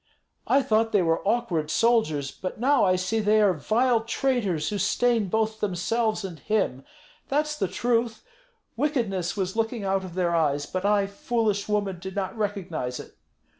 I thought they were awkward soldiers, but now I see that they are vile traitors, who stain both themselves and him. That's the truth! Wickedness was looking out of their eyes; but I, foolish woman, did not recognize it.